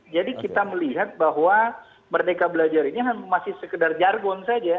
jadi kita melihat bahwa merdeka belajar ini masih sekedar jargon saja